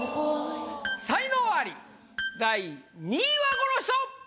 才能アリ第２位はこの人！